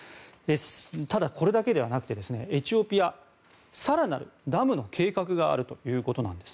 ただ、これだけではなくてエチオピアは更なるダムの計画があるということなんです。